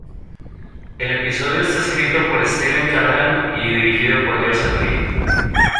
El episodio está escrito por Steve Callaghan y dirigido por Joseph Lee.